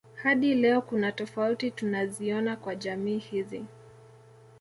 Hadi leo kuna tofuati tunaziona kwa jamii hizi